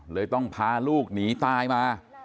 เลยต้องพาลูกหนีตายมา